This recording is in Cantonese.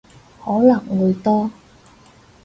可能會多